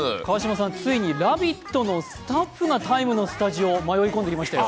ついに「ラヴィット！」のスタッフが「ＴＩＭＥ，」に紛れ込んできましたよ